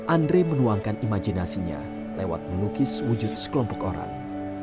andre menuangkan imajinasinya lewat melukis wujud sekelompok orang